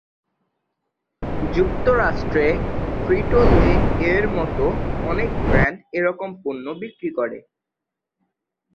যুক্তরাষ্ট্রে ফ্রিটো-লে এর মতো অনেক ব্রান্ড এ রকম পণ্য বিক্রি করে।